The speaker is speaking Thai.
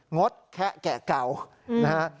งดแคะแกะเก่านะฮะ